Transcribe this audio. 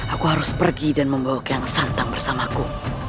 aku harus pergi dan membawa keang santang bersamaku